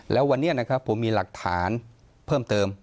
แล้ววันนี้นะครับผมมีหลักฐานเพิ่มเติม